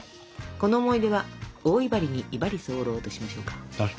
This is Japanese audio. この思い出は「大いばりにいばり候」としましょうか。